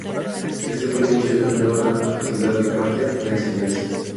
Esto fue el inicio de una nueva actividad de Carter: la enseñanza.